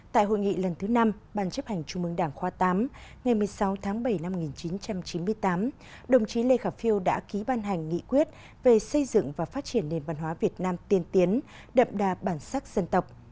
tại hội nghị lần thứ năm ban chấp hành trung mương đảng khóa tám ngày một mươi sáu tháng bảy năm một nghìn chín trăm chín mươi tám đồng chí lê khả phiêu đã ký ban hành nghị quyết về xây dựng và phát triển nền văn hóa việt nam tiên tiến đậm đà bản sắc dân tộc